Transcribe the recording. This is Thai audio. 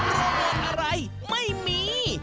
โปรโมทอะไรไม่มี